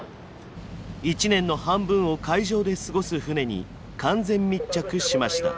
一年の半分を海上で過ごす船に完全密着しました。